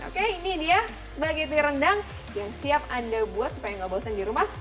oke ini dia sebagian rendang yang siap anda buat supaya enggak bosen di rumah